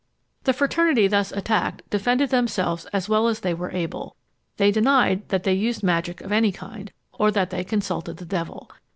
The fraternity thus attacked defended themselves as well as they were able. They denied that they used magic of any kind, or that they consulted the devil.